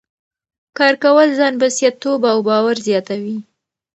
کار کول ځان بسیا توب او باور زیاتوي.